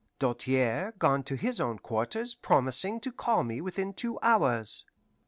Doltaire gone to his own quarters promising to call for me within two hours.